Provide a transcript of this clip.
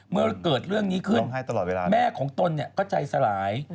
เมื่อเกิดเรื่องนี้ขึ้นแม่ของตนก็ใจสลาย